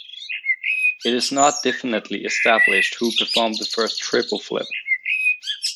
It is not definitely established who performed the first triple flip.